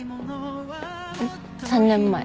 ん？３年前？